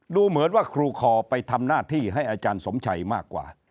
ดูเหมือนว่าครูคอไปทำหน้าที่ให้อาจารย์สมชัยมากกว่า